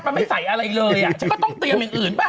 มันไม่ใส่อะไรเลยอ่ะฉันก็ต้องเตรียมอย่างอื่นป่